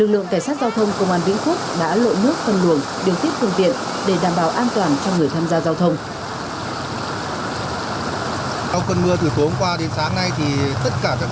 lực lượng cảnh sát giao thông công an vĩnh phúc đã lội nước phân luồng